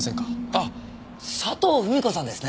あっ佐藤ふみ子さんですね。